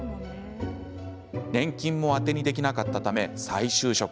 年金も当てにできなかったため再就職。